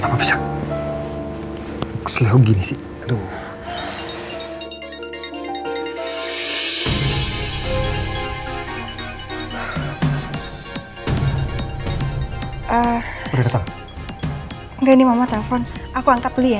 sampai jumpa di video selanjutnya